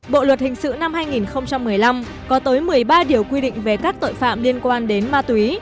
bộ luật hình sự năm hai nghìn một mươi năm có tới một mươi ba điều quy định về các tội phạm liên quan đến ma túy